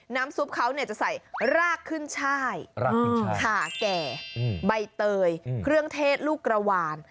ซุปเขาจะใส่รากขึ้นช่ายรากขาแก่ใบเตยเครื่องเทศลูกกระวาน